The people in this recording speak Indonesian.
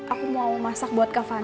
aku mau masak buat kak fanny